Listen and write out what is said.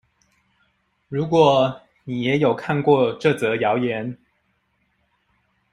如果你也有看過這則謠言